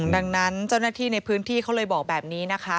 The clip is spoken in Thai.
ดังนั้นเจ้าหน้าที่ในพื้นที่เขาเลยบอกแบบนี้นะคะ